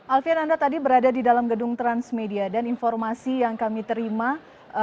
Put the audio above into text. alfian anda tadi berada di dalam gedung transmedia dan informasi yang kami terima